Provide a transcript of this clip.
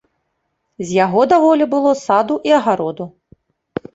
З яго даволі было саду і агароду.